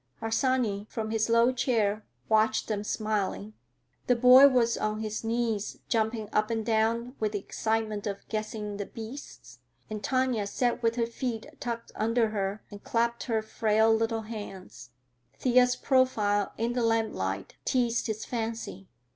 Harsanyi, from his low chair, watched them, smiling. The boy was on his knees, jumping up and down with the excitement of guessing the beasts, and Tanya sat with her feet tucked under her and clapped her frail little hands. Thea's profile, in the lamplight, teased his fancy.